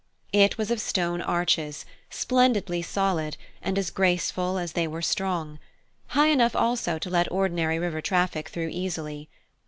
It was of stone arches, splendidly solid, and as graceful as they were strong; high enough also to let ordinary river traffic through easily.